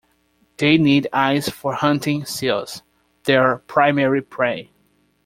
They need ice for hunting seals, their primary prey.